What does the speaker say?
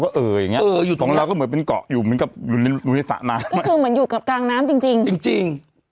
ก็คือเหมือนอยู่กับกลางน้ำจริงจริง